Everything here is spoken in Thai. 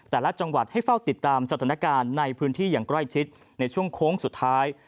แต่ละจังหวัดให้เฝ้าติดตามสถานการณ์ในพื้นที่อย่างใกล้ชิดในช่วงโค้งสุดท้าย